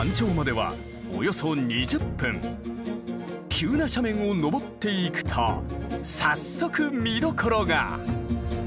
急な斜面を登っていくと早速見どころが！